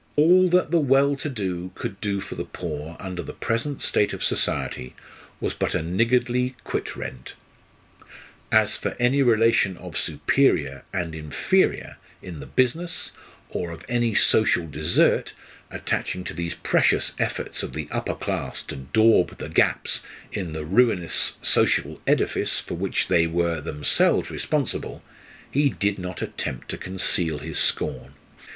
All that the well to do could do for the poor under the present state of society was but a niggardly quit rent; as for any relation of "superior" and "inferior" in the business, or of any social desert attaching to these precious efforts of the upper class to daub the gaps in the ruinous social edifice for which they were themselves responsible, he did not attempt to conceal his scorn.